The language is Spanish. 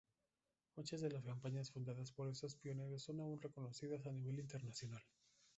Muchas de las compañías fundadas por estos pioneros son aún reconocidas a nivel internacional.